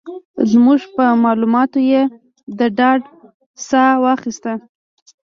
زموږ په مالوماتو یې د ډاډ ساه واخيسته.